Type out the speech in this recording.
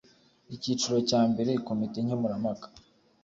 icyiciro cya mbere komite nkemurampaka